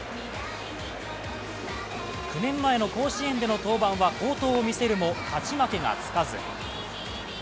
９年前の甲子園での登板は好投を見せるも、勝ち負けがつかず。